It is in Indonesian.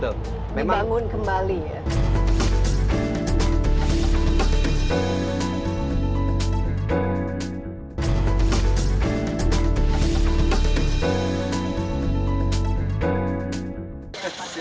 tidak ada yang menggunakan mobil yang